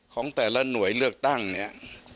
ของแต่ละหน่วยเลือกตั้งเนี่ย